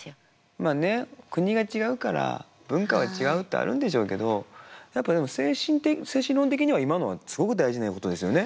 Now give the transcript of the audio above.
まあね国が違うから文化は違うってあるんでしょうけどやっぱでも精神論的には今のはすごく大事なことですよね。